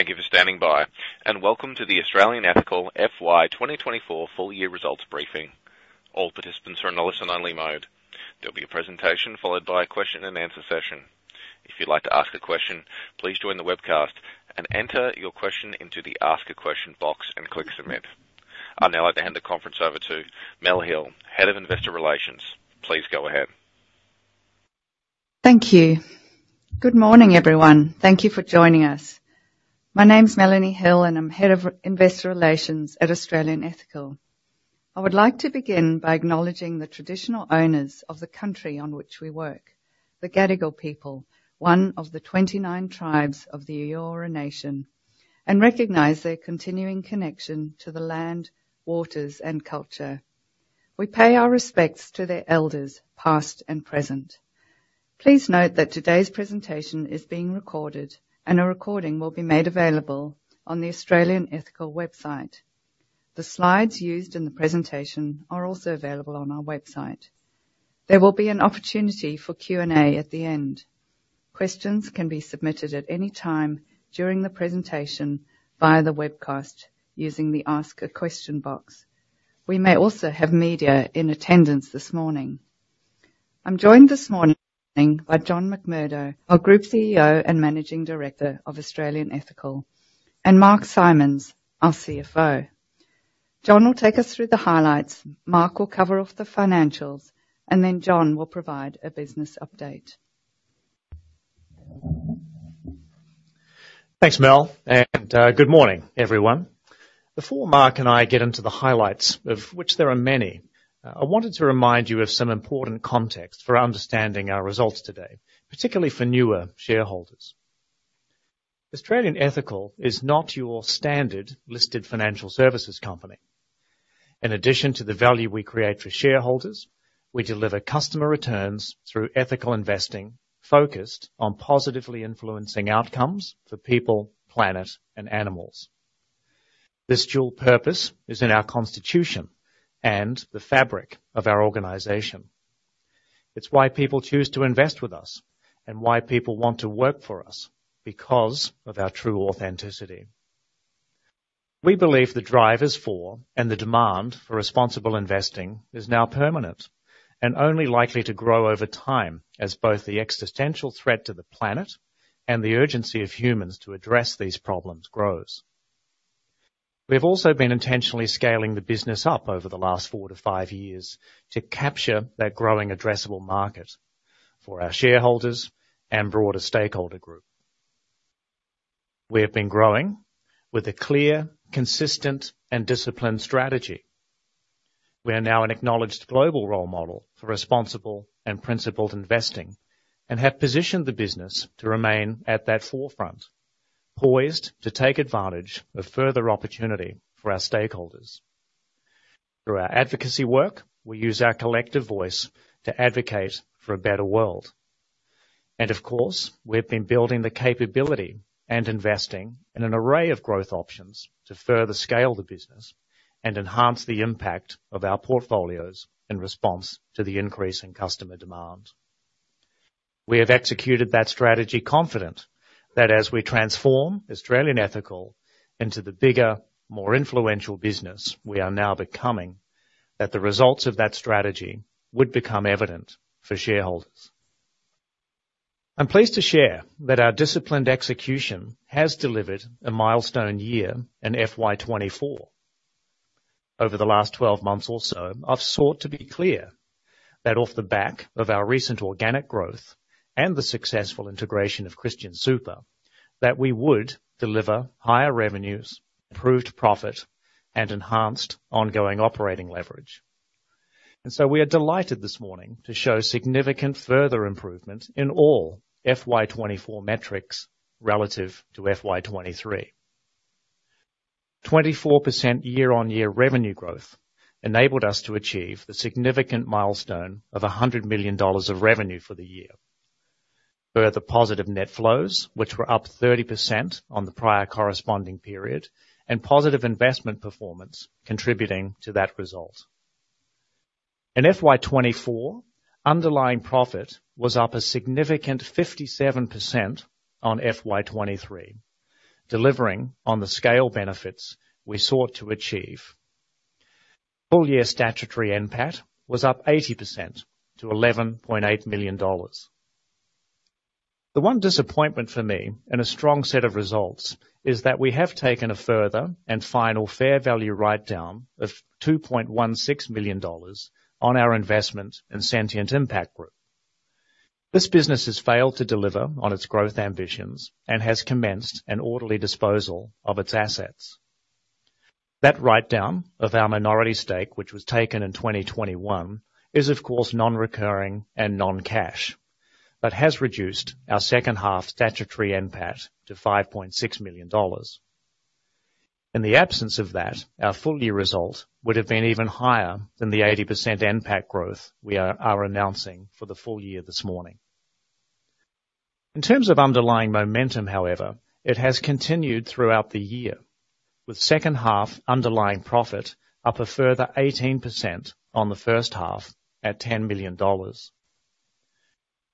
Thank you for standing by, and welcome to the Australian Ethical FY 2024 Full Year Results Briefing. All participants are in listen-only mode. There'll be a presentation followed by a question and answer session. If you'd like to ask a question, please join the webcast and enter your question into the Ask a Question box and click Submit. I'd now like to hand the conference over to Melanie Hill, Head of Investor Relations. Please go ahead. Thank you. Good morning, everyone. Thank you for joining us. My name's Melanie Hill, and I'm Head of Investor Relations at Australian Ethical. I would like to begin by acknowledging the traditional owners of the country on which we work, the Gadigal people, one of the 29 tribes of the Eora Nation, and recognize their continuing connection to the land, waters, and culture. We pay our respects to their elders, past and present. Please note that today's presentation is being recorded, and a recording will be made available on the Australian Ethical website. The slides used in the presentation are also available on our website. There will be an opportunity for Q and A at the end. Questions can be submitted at any time during the presentation via the webcast using the Ask a Question box. We may also have media in attendance this morning. I'm joined this morning by John McMurdo, our Group CEO and Managing Director of Australian Ethical, and Mark Simons, our CFO. John will take us through the highlights, Mark will cover off the financials, and then John will provide a business update. Thanks, Mel, and good morning, everyone. Before Mark and I get into the highlights, of which there are many, I wanted to remind you of some important context for understanding our results today, particularly for newer shareholders. Australian Ethical is not your standard listed financial services company. In addition to the value we create for shareholders, we deliver customer returns through ethical investing, focused on positively influencing outcomes for people, planet, and animals. This dual purpose is in our constitution and the fabric of our organization. It's why people choose to invest with us and why people want to work for us, because of our true authenticity. We believe the drive is for, and the demand for responsible investing is now permanent and only likely to grow over time as both the existential threat to the planet and the urgency of humans to address these problems grows. We've also been intentionally scaling the business up over the last four to five years to capture that growing addressable market for our shareholders and broader stakeholder group. We have been growing with a clear, consistent, and disciplined strategy. We are now an acknowledged global role model for responsible and principled investing, and have positioned the business to remain at that forefront, poised to take advantage of further opportunity for our stakeholders. Through our advocacy work, we use our collective voice to advocate for a better world, and of course, we've been building the capability and investing in an array of growth options to further scale the business and enhance the impact of our portfolios in response to the increase in customer demand. We have executed that strategy confident that as we transform Australian Ethical into the bigger, more influential business we are now becoming, that the results of that strategy would become evident for shareholders. I'm pleased to share that our disciplined execution has delivered a milestone year in FY 2024. Over the last 12 months or so, I've sought to be clear that off the back of our recent organic growth and the successful integration of Christian Super, that we would deliver higher revenues, improved profit, and enhanced ongoing operating leverage. So we are delighted this morning to show significant further improvement in all FY 2024 metrics relative to FY 2023. 24% year-on-year revenue growth enabled us to achieve the significant milestone of 100 million dollars of revenue for the year. Further positive net flows, which were up 30% on the prior corresponding period, and positive investment performance contributing to that result. In FY 2024, underlying profit was up a significant 57% on FY 2023, delivering on the scale benefits we sought to achieve. Full-year statutory NPAT was up 80% to 11.8 million dollars. The one disappointment for me in a strong set of results is that we have taken a further and final fair value write-down of 2.16 million dollars on our investment in Sentient Impact Group. This business has failed to deliver on its growth ambitions and has commenced an orderly disposal of its assets. That write-down of our minority stake, which was taken in 2021, is of course, non-recurring and non-cash, but has reduced our second half statutory NPAT to 5.6 million dollars. In the absence of that, our full-year result would have been even higher than the 80% NPAT growth we are announcing for the full year this morning. In terms of underlying momentum, however, it has continued throughout the year, with second half underlying profit up a further 18% on the first half at 10 million dollars.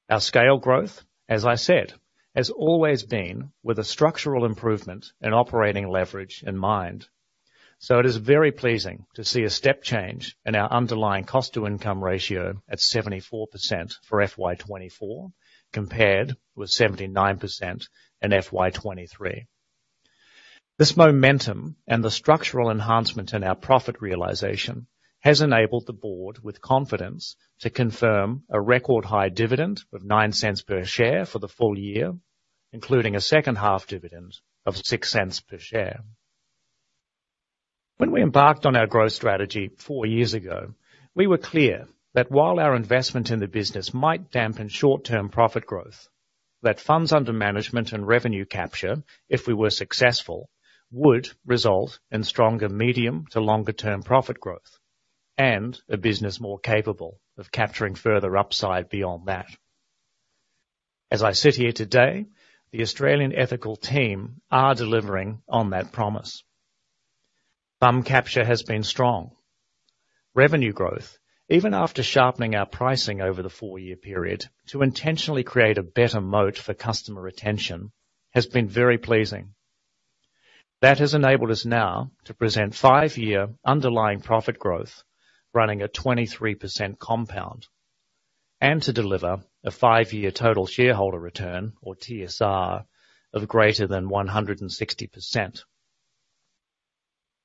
Our scale growth, as I said, has always been with a structural improvement in operating leverage in mind. So it is very pleasing to see a step change in our underlying cost to income ratio at 74% for FY 2024, compared with 79% in FY 2023. This momentum and the structural enhancement in our profit realization has enabled the board, with confidence, to confirm a record high dividend of 0.09 per share for the full year, including a second half dividend of 0.06 per share. When we embarked on our growth strategy four years ago, we were clear that while our investment in the business might dampen short-term profit growth, that funds under management and revenue capture, if we were successful, would result in stronger medium to longer term profit growth, and a business more capable of capturing further upside beyond that. As I sit here today, the Australian Ethical team are delivering on that promise. Some capture has been strong. Revenue growth, even after sharpening our pricing over the four-year period, to intentionally create a better moat for customer retention, has been very pleasing. That has enabled us now to present five-year underlying profit growth, running a 23% compound, and to deliver a five-year total shareholder return, or TSR, of greater than 160%.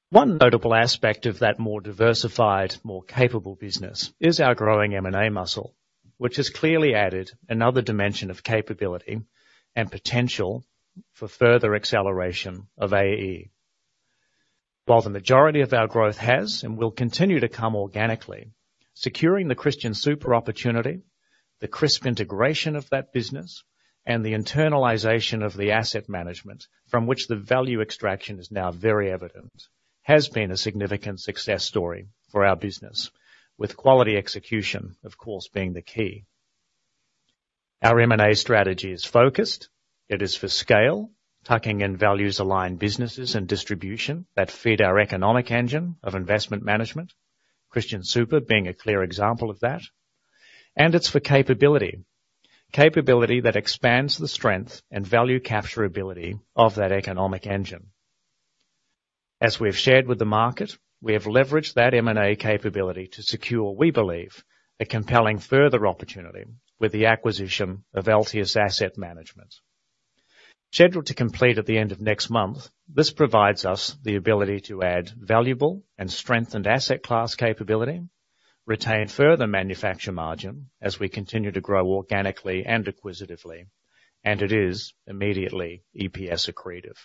One notable aspect of that more diversified, more capable business is our growing M&A muscle, which has clearly added another dimension of capability and potential for further acceleration of AE. While the majority of our growth has, and will continue to come organically, securing the Christian Super opportunity, the crisp integration of that business, and the internalization of the asset management from which the value extraction is now very evident, has been a significant success story for our business, with quality execution, of course, being the key. Our M&A strategy is focused. It is for scale, tucking in values, aligned businesses and distribution that feed our economic engine of investment management, Christian Super being a clear example of that, and it's for capability, capability that expands the strength and value capturability of that economic engine. As we've shared with the market, we have leveraged that M&A capability to secure, we believe, a compelling further opportunity with the acquisition of Altius Asset Management. Scheduled to complete at the end of next month, this provides us the ability to add valuable and strengthened asset class capability, retain further manufacturing margin as we continue to grow organically and acquisitively, and it is immediately EPS accretive.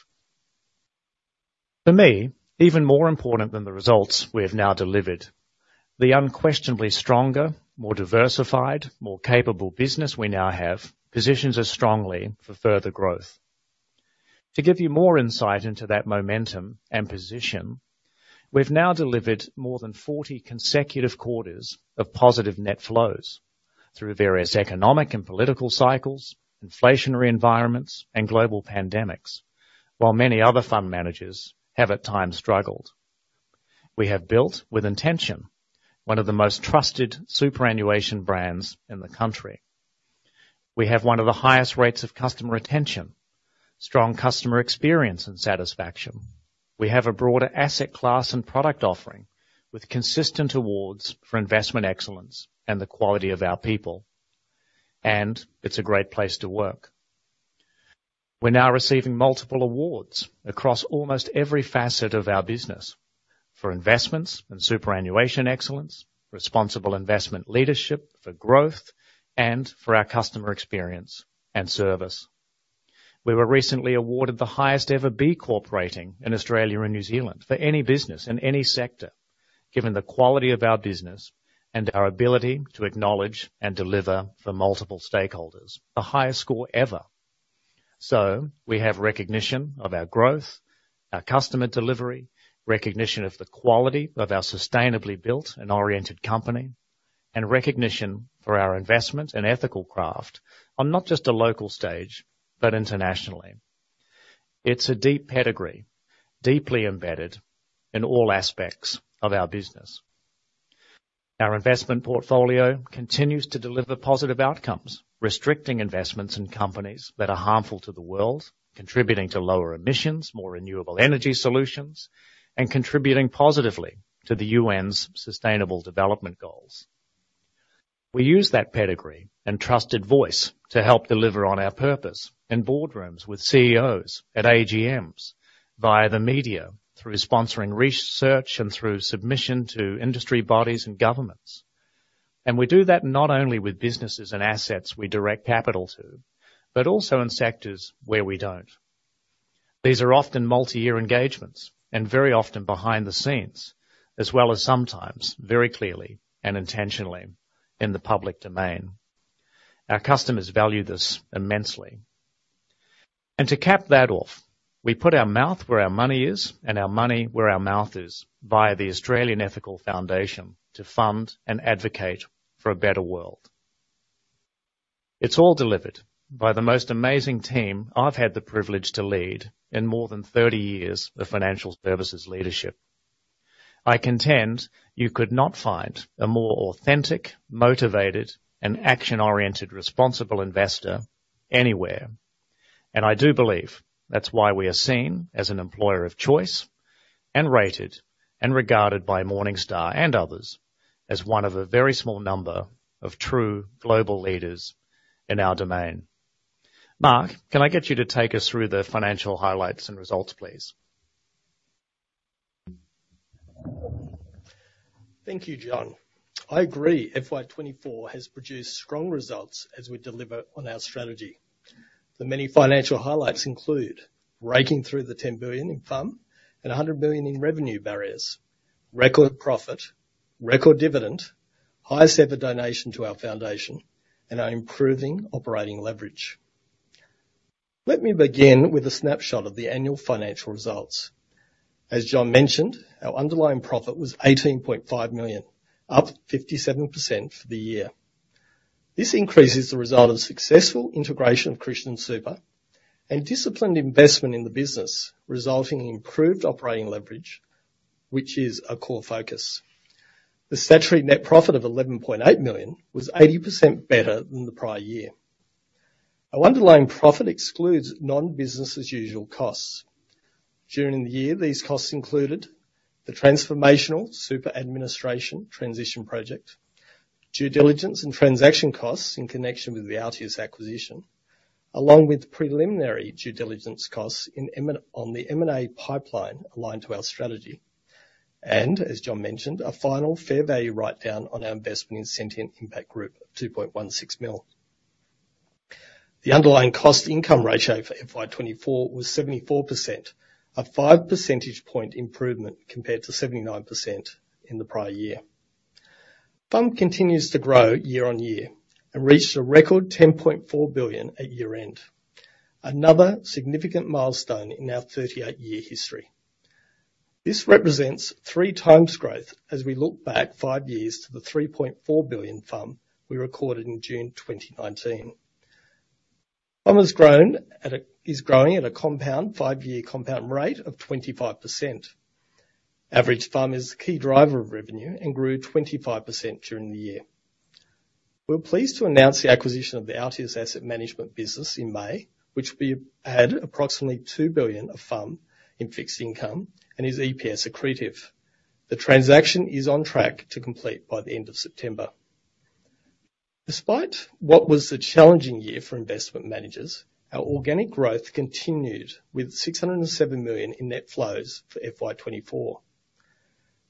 For me, even more important than the results we have now delivered, the unquestionably stronger, more diversified, more capable business we now have positions us strongly for further growth. To give you more insight into that momentum and position, we've now delivered more than 40 consecutive quarters of positive net flows through various economic and political cycles, inflationary environments, and global pandemics, while many other fund managers have at times struggled. We have built, with intention, one of the most trusted superannuation brands in the country. We have one of the highest rates of customer retention, strong customer experience and satisfaction. We have a broader asset class and product offering, with consistent awards for investment excellence and the quality of our people, and it's a great place to work. We're now receiving multiple awards across almost every facet of our business for investments and superannuation excellence, responsible investment leadership for growth, and for our customer experience and service. We were recently awarded the highest ever B Corp rating in Australia and New Zealand for any business in any sector, given the quality of our business and our ability to acknowledge and deliver for multiple stakeholders, the highest score ever. So we have recognition of our growth, our customer delivery, recognition of the quality of our sustainably built and oriented company, and recognition for our investment and ethical craft on not just a local stage, but internationally. It's a deep pedigree, deeply embedded in all aspects of our business. Our investment portfolio continues to deliver positive outcomes, restricting investments in companies that are harmful to the world, contributing to lower emissions, more renewable energy solutions, and contributing positively to the UN's Sustainable Development Goals. We use that pedigree and trusted voice to help deliver on our purpose in boardrooms with CEOs at AGMs, via the media, through sponsoring research, and through submission to industry bodies and governments. And we do that not only with businesses and assets we direct capital to, but also in sectors where we don't. These are often multi-year engagements and very often behind the scenes, as well as sometimes very clearly and intentionally in the public domain. Our customers value this immensely. And to cap that off, we put our mouth where our money is and our money where our mouth is, via the Australian Ethical Foundation, to fund and advocate for a better world. It's all delivered by the most amazing team I've had the privilege to lead in more than 30 years of financial services leadership. I contend you could not find a more authentic, motivated, and action-oriented responsible investor anywhere, and I do believe that's why we are seen as an employer of choice, and rated and regarded by Morningstar and others as one of a very small number of true global leaders in our domain. Mark, can I get you to take us through the financial highlights and results, please? Thank you, John. I agree, FY 2024 has produced strong results as we deliver on our strategy. The many financial highlights include: breaking through the 10 billion in FUM and 100 million in revenue barriers, record profit, record dividend, highest ever donation to our foundation, and our improving operating leverage. Let me begin with a snapshot of the annual financial results. As John mentioned, our underlying profit was 18.5 million, up 57% for the year. This increase is the result of successful integration of Christian Super and disciplined investment in the business, resulting in improved operating leverage, which is a core focus. The statutory net profit of 11.8 million was 80% better than the prior year. Our underlying profit excludes non-business as usual costs. During the year, these costs included the transformational super administration transition project, due diligence and transaction costs in connection with the Altius acquisition, along with preliminary due diligence costs incurred on the M&A pipeline aligned to our strategy, and, as John mentioned, a final fair value write-down on our investment in Sentient Impact Group of 2.16 million. The underlying cost income ratio for FY 2024 was 74%, a 5% point improvement compared to 79% in the prior year. FUM continues to grow year-on-year and reached a record 10.4 billion at year-end, another significant milestone in our 38-year history. This represents three times growth as we look back five years to the 3.4 billion FUM we recorded in June 2019. FUM is growing at a compound five-year compound rate of 25%. Average FUM is the key driver of revenue and grew 25% during the year. We're pleased to announce the acquisition of the Altius Asset Management business in May, which we add approximately 2 billion of FUM in fixed income and is EPS accretive. The transaction is on track to complete by the end of September. Despite what was a challenging year for investment managers, our organic growth continued with 607 million in net flows for FY 2024.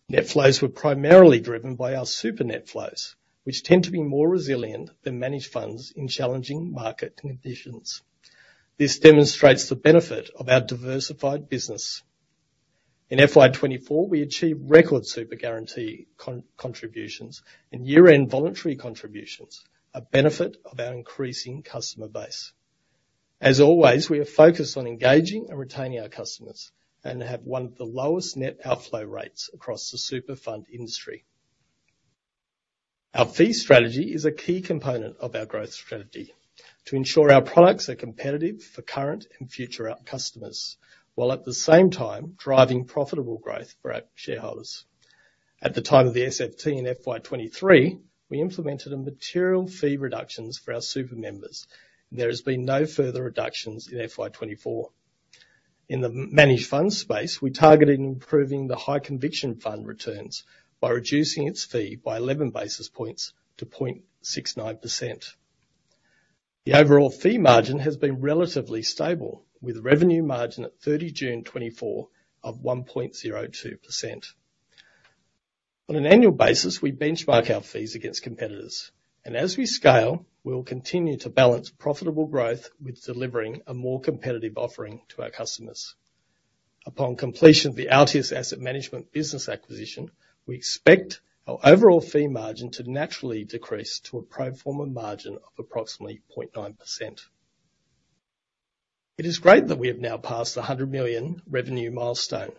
Net flows were primarily driven by our super net flows, which tend to be more resilient than managed funds in challenging market conditions. This demonstrates the benefit of our diversified business. In FY 2024, we achieved record super guarantee contributions and year-end voluntary contributions, a benefit of our increasing customer base. As always, we are focused on engaging and retaining our customers and have one of the lowest net outflow rates across the super fund industry. Our fee strategy is a key component of our growth strategy to ensure our products are competitive for current and future our customers, while at the same time driving profitable growth for our shareholders. At the time of the SFT in FY 2023, we implemented a material fee reductions for our super members. There has been no further reductions in FY 2024. In the managed fund space, we targeted improving the High Conviction Fund returns by reducing its fee by eleven basis points to 0.69%. The overall fee margin has been relatively stable, with revenue margin at 30 June 2024 of 1.02%. On an annual basis, we benchmark our fees against competitors, and as we scale, we will continue to balance profitable growth with delivering a more competitive offering to our customers. Upon completion of the Altius Asset Management business acquisition, we expect our overall fee margin to naturally decrease to a pro forma margin of approximately 0.9%. It is great that we have now passed the 100 million revenue milestone.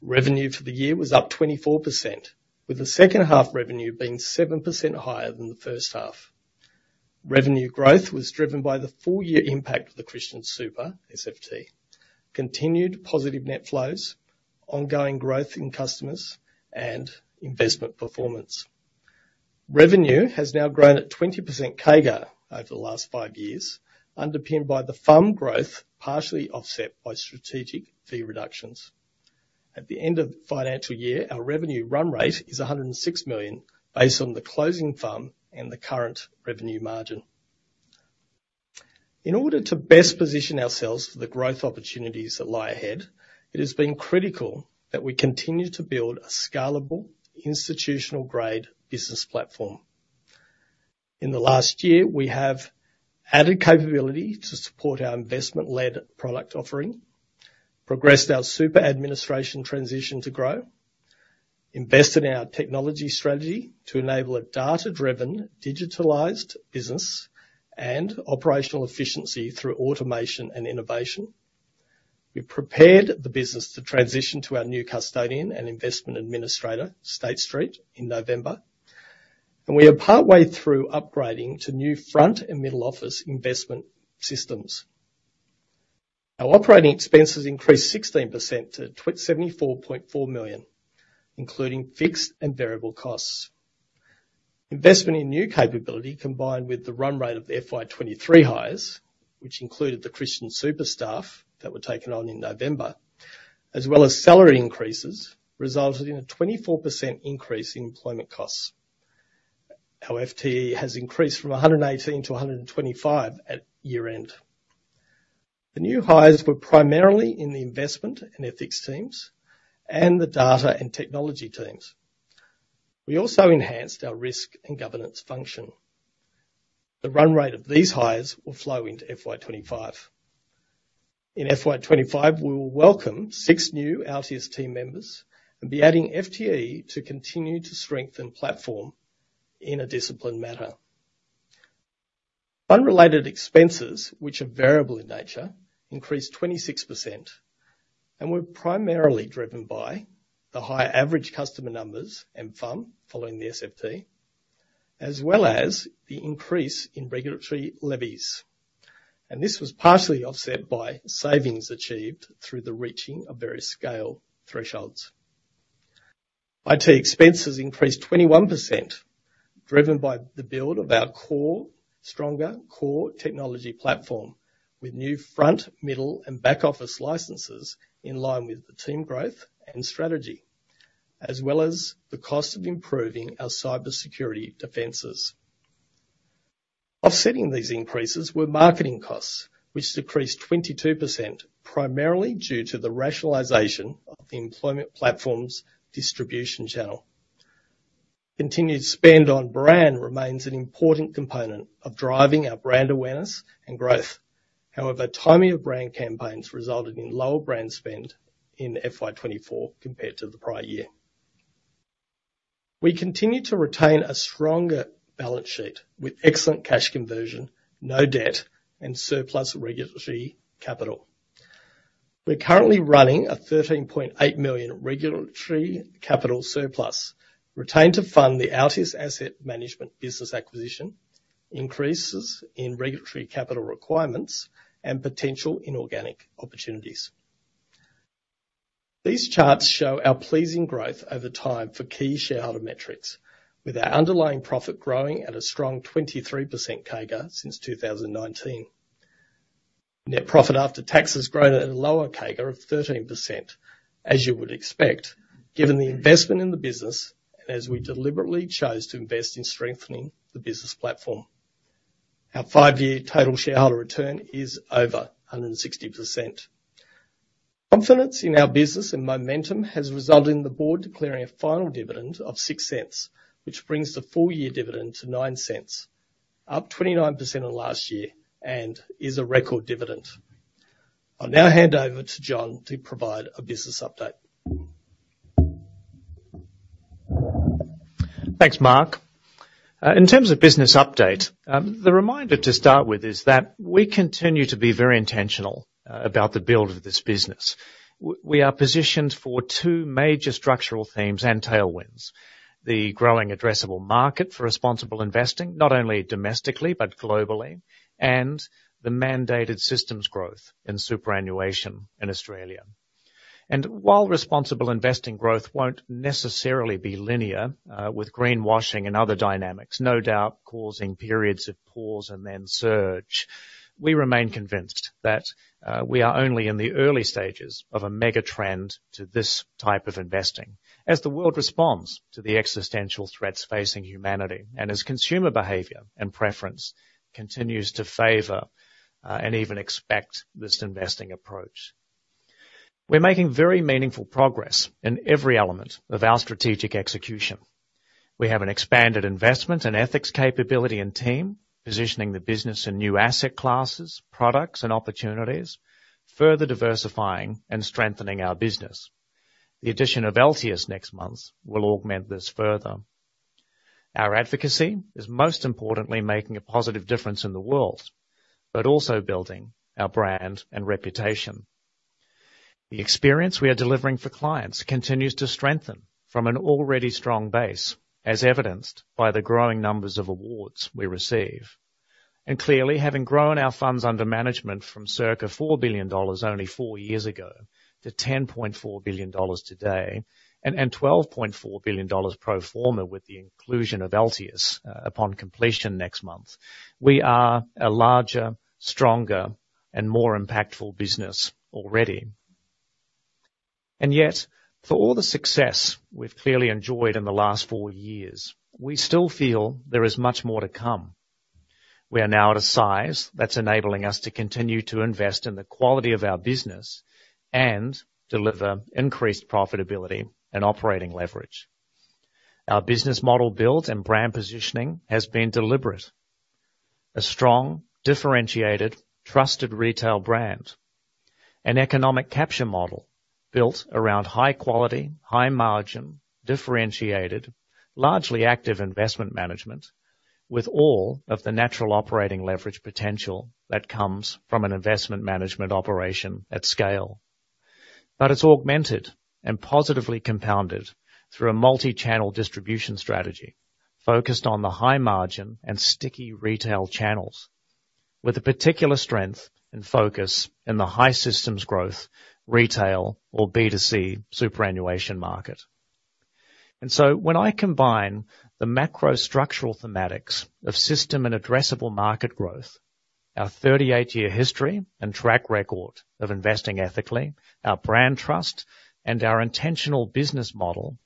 Revenue for the year was up 24%, with the second half revenue being 7% higher than the first half. Revenue growth was driven by the full year impact of the Christian Super, SFT, continued positive net flows, ongoing growth in customers, and investment performance. Revenue has now grown at 20% CAGR over the last five years, underpinned by the FUM growth, partially offset by strategic fee reductions. At the end of the financial year, our revenue run rate is 106 million, based on the closing FUM and the current revenue margin. In order to best position ourselves for the growth opportunities that lie ahead, it has been critical that we continue to build a scalable, institutional-grade business platform. In the last year, we have added capability to support our investment-led product offering, progressed our super administration transition to grow, invested in our technology strategy to enable a data-driven, digitalized business, and operational efficiency through automation and innovation. We prepared the business to transition to our new custodian and investment administrator, State Street, in November, and we are partway through upgrading to new front and middle office investment systems. Our operating expenses increased 16% to 74.4 million, including fixed and variable costs. Investment in new capability, combined with the run rate of the FY 2023 hires, which included the Christian Super staff that were taken on in November, as well as salary increases, resulted in a 24% increase in employment costs. Our FTE has increased from 118 to 125 at year-end. The new hires were primarily in the investment and ethics teams and the data and technology teams. We also enhanced our risk and governance function. The run rate of these hires will flow into FY 2025. In FY 2025, we will welcome six new Altius team members and be adding FTE to continue to strengthen platform in a disciplined manner. Unrelated expenses, which are variable in nature, increased 26% and were primarily driven by the higher average customer numbers and FUM following the SFT, as well as the increase in regulatory levies. This was partially offset by savings achieved through the reaching of various scale thresholds. IT expenses increased 21%, driven by the build of our core, stronger core technology platform, with new front, middle, and back-office licenses in line with the team growth and strategy, as well as the cost of improving our cybersecurity defenses. Offsetting these increases were marketing costs, which decreased 22%, primarily due to the rationalization of the employment platform's distribution channel. Continued spend on brand remains an important component of driving our brand awareness and growth. However, timing of brand campaigns resulted in lower brand spend in FY 2024 compared to the prior year. We continue to retain a stronger balance sheet with excellent cash conversion, no debt, and surplus regulatory capital. We're currently running a 13.8 million regulatory capital surplus, retained to fund the Altius Asset Management business acquisition, increases in regulatory capital requirements, and potential inorganic opportunities. These charts show our pleasing growth over time for key shareholder metrics, with our underlying profit growing at a strong 23% CAGR since 2019. Net profit after tax has grown at a lower CAGR of 13%, as you would expect, given the investment in the business and as we deliberately chose to invest in strengthening the business platform. Our five-year total shareholder return is over 160%. Confidence in our business and momentum has resulted in the board declaring a final dividend of 0.06, which brings the full year dividend to 0.09, up 29% on last year, and is a record dividend. I'll now hand over to John to provide a business update. Thanks, Mark. In terms of business update, the reminder to start with is that we continue to be very intentional about the build of this business. We are positioned for two major structural themes and tailwinds: the growing addressable market for responsible investing, not only domestically, but globally, and the mandated systems growth in superannuation in Australia, and while responsible investing growth won't necessarily be linear, with greenwashing and other dynamics, no doubt causing periods of pause and then surge, we remain convinced that we are only in the early stages of a mega trend to this type of investing, as the world responds to the existential threats facing humanity, and as consumer behavior and preference continues to favor, and even expect this investing approach. We're making very meaningful progress in every element of our strategic execution. We have an expanded investment and ethics capability and team, positioning the business in new asset classes, products, and opportunities, further diversifying and strengthening our business. The addition of Altius next month will augment this further. Our advocacy is most importantly making a positive difference in the world, but also building our brand and reputation. The experience we are delivering for clients continues to strengthen from an already strong base, as evidenced by the growing numbers of awards we receive. And clearly, having grown our funds under management from circa 4 billion dollars only four years ago to 10.4 billion dollars today, and 12.4 billion dollars pro forma with the inclusion of Altius, upon completion next month, we are a larger, stronger, and more impactful business already. And yet, for all the success we've clearly enjoyed in the last four years, we still feel there is much more to come. We are now at a size that's enabling us to continue to invest in the quality of our business and deliver increased profitability and operating leverage. Our business model build and brand positioning has been deliberate. A strong, differentiated, trusted retail brand. An economic capture model built around high quality, high margin, differentiated, largely active investment management, with all of the natural operating leverage potential that comes from an investment management operation at scale. But it's augmented and positively compounded through a multi-channel distribution strategy focused on the high margin and sticky retail channels, with a particular strength and focus in the high systems growth, retail or B2C superannuation market. When I combine the macro structural thematics of system and addressable market growth, our 38-year history and track record of investing ethically, our brand trust, and our intentional business model,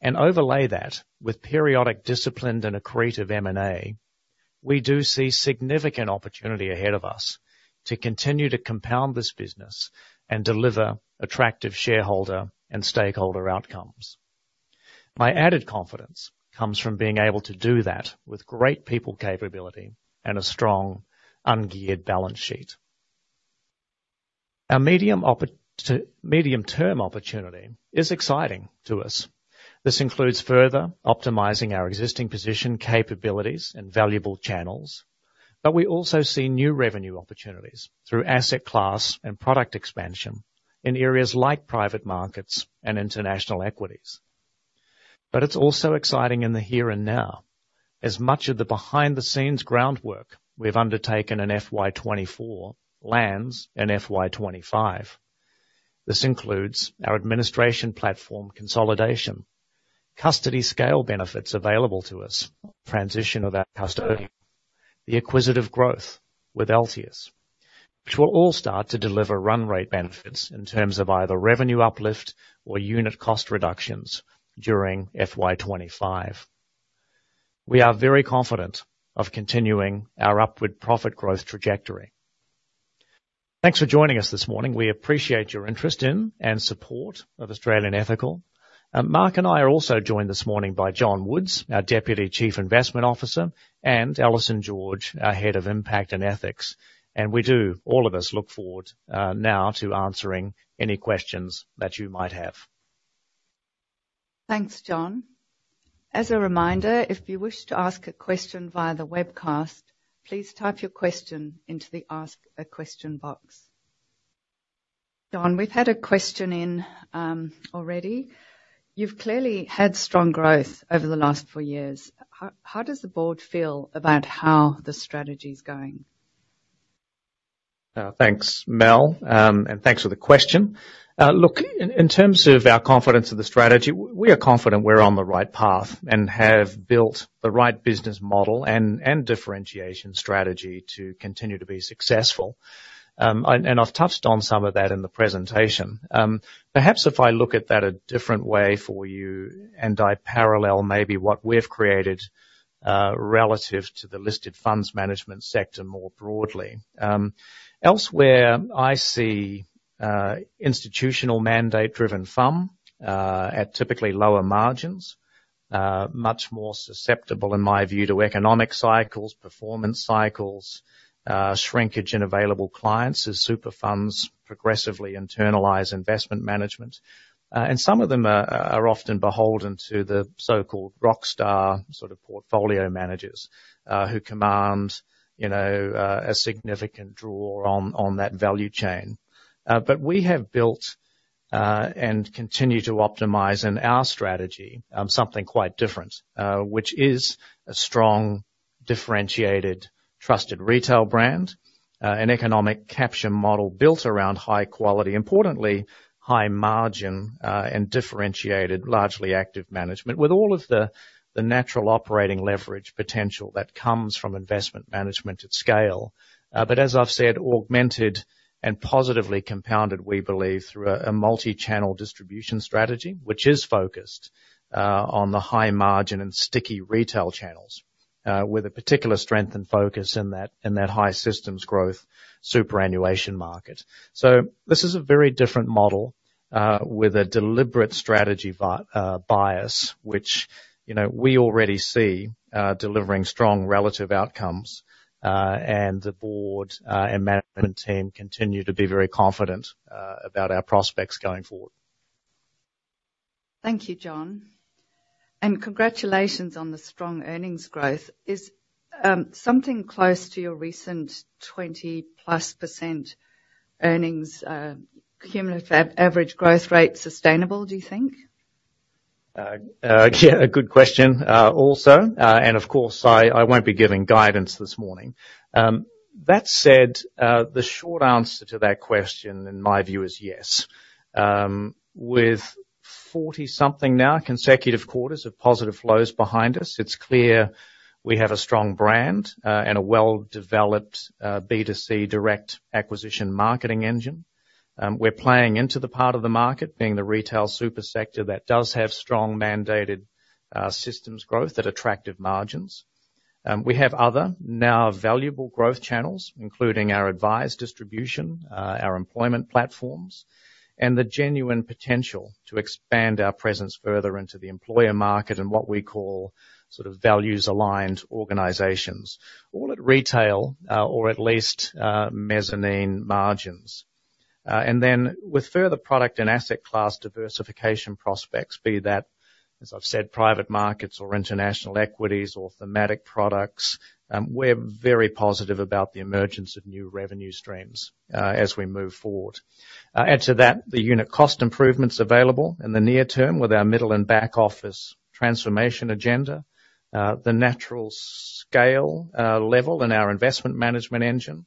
and overlay that with periodic, disciplined, and accretive M&A, we do see significant opportunity ahead of us to continue to compound this business and deliver attractive shareholder and stakeholder outcomes. My added confidence comes from being able to do that with great people capability and a strong ungeared balance sheet. Our medium-term opportunity is exciting to us. This includes further optimizing our existing position, capabilities, and valuable channels, but we also see new revenue opportunities through asset class and product expansion in areas like private markets and international equities. It’s also exciting in the here and now, as much of the behind-the-scenes groundwork we’ve undertaken in FY 2024 lands in FY 2025. This includes our administration platform consolidation, custody scale benefits available to us, transition of our custody, the acquisitive growth with Altius, which will all start to deliver run rate benefits in terms of either revenue uplift or unit cost reductions during FY 2025. We are very confident of continuing our upward profit growth trajectory. Thanks for joining us this morning. We appreciate your interest in and support of Australian Ethical. Mark and I are also joined this morning by John Woods, our Deputy Chief Investment Officer, and Alison George, our Head of Impact and Ethics. And we do, all of us, look forward, now to answering any questions that you might have. Thanks, John. As a reminder, if you wish to ask a question via the webcast, please type your question into the Ask a Question box. John, we've had a question in, already. You've clearly had strong growth over the last four years. How does the board feel about how the strategy's going? Thanks, Mel, and thanks for the question. Look, in terms of our confidence in the strategy, we are confident we're on the right path, and have built the right business model and differentiation strategy to continue to be successful. And I've touched on some of that in the presentation. Perhaps if I look at that a different way for you, and I parallel maybe what we've created relative to the listed funds management sector more broadly. Elsewhere, I see institutional mandate-driven FUM at typically lower margins, much more susceptible, in my view, to economic cycles, performance cycles, shrinkage in available clients as super funds progressively internalize investment management. And some of them are often beholden to the so-called rock star sort of portfolio managers, who command, you know, a significant draw on that value chain. But we have built and continue to optimize in our strategy something quite different, which is a strong, differentiated, trusted retail brand. An economic capture model built around high quality, importantly, high margin, and differentiated, largely active management, with all of the natural operating leverage potential that comes from investment management at scale. But as I've said, augmented and positively compounded, we believe, through a multi-channel distribution strategy, which is focused on the high margin and sticky retail channels, with a particular strength and focus in that high systems growth superannuation market. So this is a very different model with a deliberate strategy bias, which, you know, we already see delivering strong relative outcomes, and the board and management team continue to be very confident about our prospects going forward. Thank you, John, and congratulations on the strong earnings growth. Is something close to your recent 20+% earnings cumulative average growth rate sustainable, do you think? Yeah, a good question, also, and of course, I won't be giving guidance this morning. That said, the short answer to that question, in my view, is yes. With 40 something now, consecutive quarters of positive flows behind us, it's clear we have a strong brand, and a well-developed, B2C direct acquisition marketing engine. We're playing into the part of the market, being the retail super sector that does have strong mandated, systems growth at attractive margins. We have other now valuable growth channels, including our advised distribution, our employment platforms, and the genuine potential to expand our presence further into the employer market and what we call sort of values-aligned organizations, all at retail, or at least, mezzanine margins. And then, with further product and asset class diversification prospects, be that, as I've said, private markets or international equities or thematic products, we're very positive about the emergence of new revenue streams as we move forward. Add to that, the unit cost improvements available in the near term with our middle and back office transformation agenda, the natural scale level in our investment management engine.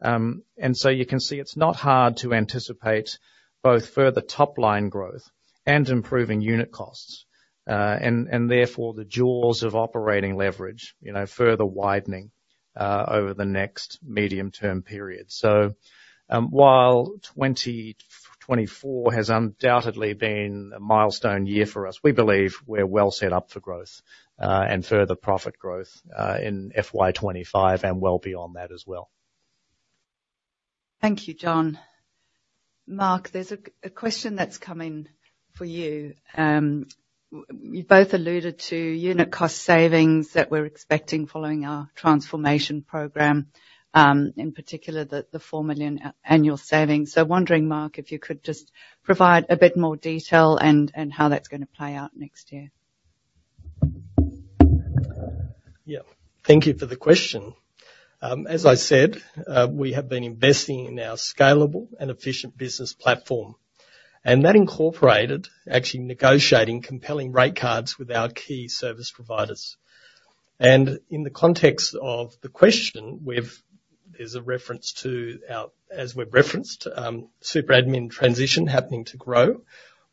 And so you can see it's not hard to anticipate both further top-line growth and improving unit costs, and therefore, the jaws of operating leverage, you know, further widening over the next medium-term period. So, while 2024 has undoubtedly been a milestone year for us, we believe we're well set up for growth and further profit growth in FY 2025, and well beyond that as well. Thank you, John. Mark, there's a question that's come in for you. You both alluded to unit cost savings that we're expecting following our transformation program, in particular, the 4 million annual savings. Wondering, Mark, if you could just provide a bit more detail and how that's gonna play out next year. Yeah. Thank you for the question. As I said, we have been investing in our scalable and efficient business platform, and that incorporated actually negotiating compelling rate cards with our key service providers. And in the context of the question, we've... There's a reference to our, as we've referenced, super admin transition happening to grow.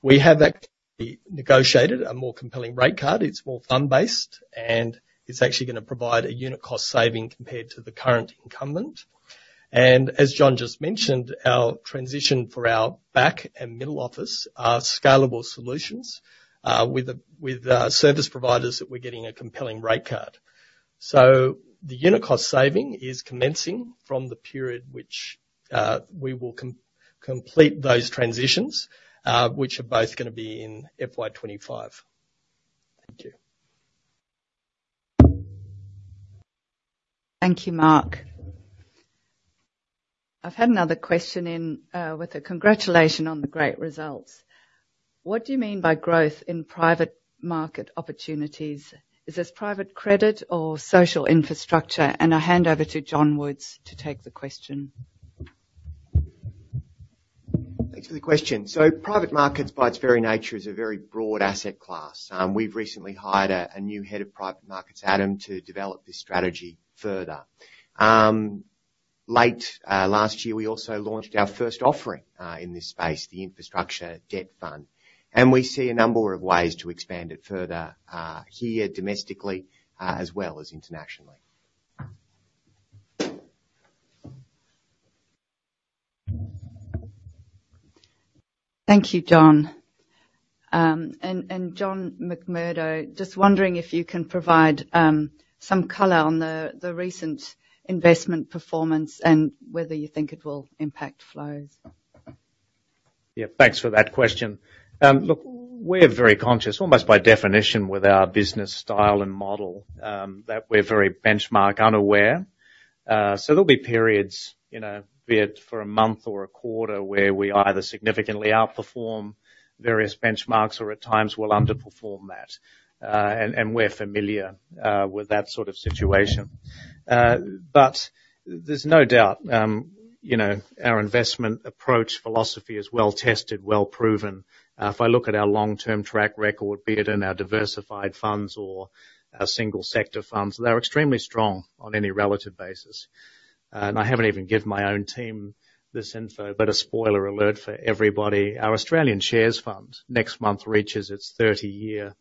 We have actually negotiated a more compelling rate card. It's more fund-based, and it's actually gonna provide a unit cost saving compared to the current incumbent. And as John just mentioned, our transition for our back and middle office are scalable solutions with the service providers that we're getting a compelling rate card. So the unit cost saving is commencing from the period which we will complete those transitions, which are both gonna be in FY 2025. Thank you. Thank you, Mark. I've had another question in, with a congratulation on the great results. What do you mean by growth in private market opportunities? Is this private credit or social infrastructure? And I hand over to John Woods to take the question. Thanks for the question. So private markets, by its very nature, is a very broad asset class. We've recently hired a new head of private markets, Adam, to develop this strategy further. Late last year, we also launched our first offering in this space, the Infrastructure Debt Fund, and we see a number of ways to expand it further here domestically, as well as internationally. Thank you, John. John McMurdo, just wondering if you can provide some color on the recent investment performance and whether you think it will impact flows? Yeah, thanks for that question. Look, we're very conscious, almost by definition, with our business style and model, that we're very benchmark unaware. So there'll be periods, you know, be it for a month or a quarter, where we either significantly outperform various benchmarks or at times will underperform that, and we're familiar with that sort of situation, but there's no doubt, you know, our investment approach philosophy is well-tested, well-proven. If I look at our long-term track record, be it in our diversified funds or our single sector funds, they're extremely strong on any relative basis, and I haven't even given my own team this info, but a spoiler alert for everybody, our Australian Shares Fund, next month reaches its 30 year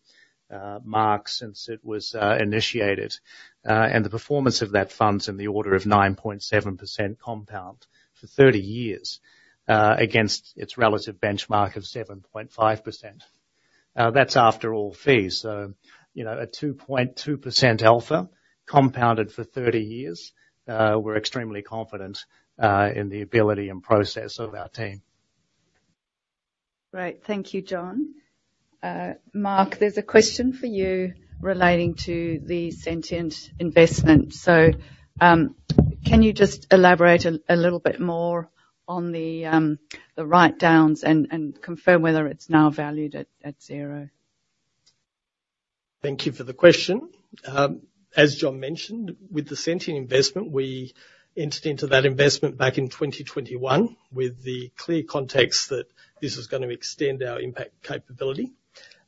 mark since it was initiated. and the performance of that fund's in the order of 9.7% compound for30 years, against its relative benchmark of 7.5%. That's after all fees, so, you know, a 2.2% alpha compounded for 30 years, we're extremely confident in the ability and process of our team. Great. Thank you, John. Mark, there's a question for you relating to the Sentient investment. So, can you just elaborate a little bit more on the writedowns and confirm whether it's now valued at zero? Thank you for the question. As John mentioned, with the Sentient investment, we entered into that investment back in 2021 with the clear context that this is gonna extend our impact capability.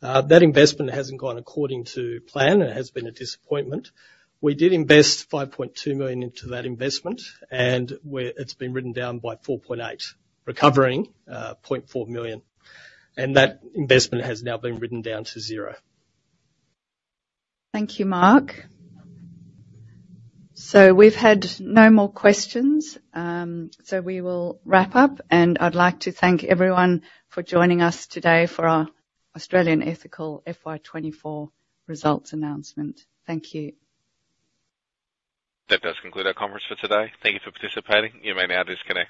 That investment hasn't gone according to plan and has been a disappointment. We did invest 5.2 million into that investment, and where it's been written down by 4.8, recovering point 4 million, and that investment has now been written down to zero. Thank you, Mark. So we've had no more questions, so we will wrap up, and I'd like to thank everyone for joining us today for our Australian Ethical FY 2024 results announcement. Thank you. That does conclude our conference for today. Thank you for participating. You may now disconnect.